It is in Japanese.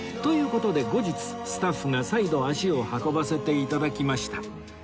事で後日スタッフが再度足を運ばせて頂きました